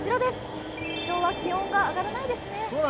今日は気温が上がらないですね。